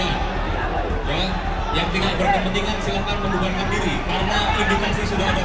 yang tinggal berada penting silahkan menunggalkan diri karena sudah ada